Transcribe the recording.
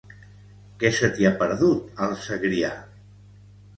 Què se t'hi ha perdut, al Segrià?